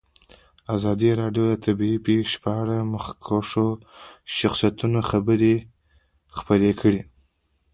ازادي راډیو د طبیعي پېښې په اړه د مخکښو شخصیتونو خبرې خپرې کړي.